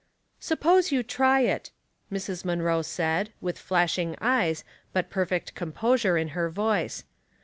'*" Suppose you try it," Mrs. Munroe said, with flashing eyes, but perfect composure in her voice.